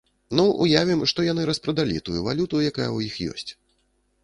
Ну і ўявім, што яны распрадалі тую валюту, якая ў іх ёсць.